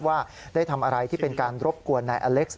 ว่าได้ทำอะไรที่เป็นการรบกวนนายอเล็กซ์